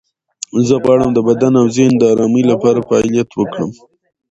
زه غواړم د بدن او ذهن د آرامۍ لپاره فعالیت وکړم.